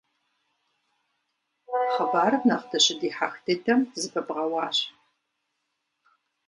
Хъыбарым нэхъ дыщыдихьэх дыдэм зэпыбгъэуащ.